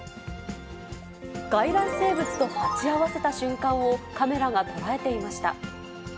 外来生物と鉢合わせた瞬間を、カメラが捉えていました。